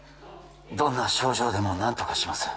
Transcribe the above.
どんな症状でも何とかします